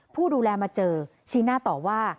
ผู้ดูแลมาเจอชี้หน้าต่อว่า